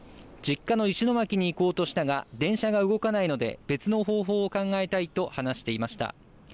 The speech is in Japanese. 実家の石巻に行こうとしたが電車が動かないので別の方法を考えたいと話していました。